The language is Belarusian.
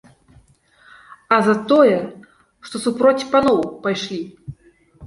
А за тое, што супроць паноў пайшлі!